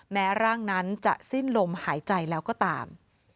แม้ร่างนั้นจะสิ้นลมหายใจแล้วก็ตาม